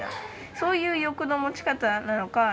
そういう欲の持ち方なのか。